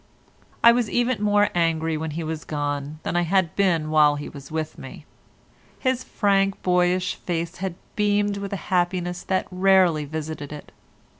I was even more angry when he was gone than I had been while he was with me. His frank, boyish face had beamed with a happiness that had rarely visited it.